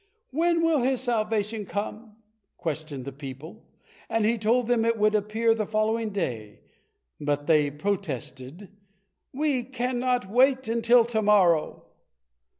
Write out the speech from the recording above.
"When will His salvation come?" questioned the people, and he told them it would appear the following day, but they protested, "We cannot wait until to morrow."